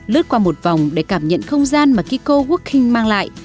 lướt qua một vòng để cảm nhận không gian mà kiko working mang lại